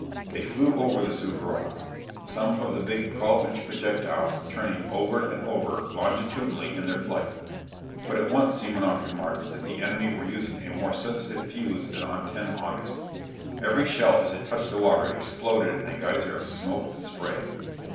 They flew over the "Suvaroff," some of the big 12 inch projectiles turning over and over longitudinally in their flight. But at once Semenoff remarked that the enemy were using a more sensitive fuse than on 10 August. Every shell as it touched the water exploded in a geyser of smoke and spray.